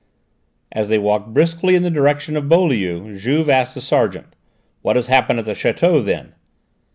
As they walked briskly in the direction of Beaulieu Juve asked the sergeant: "What has happened at the château, then?"